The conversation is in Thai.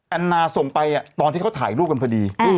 แอนนาส่งไปตอนที่เขาถ่ายรูปกันพอดี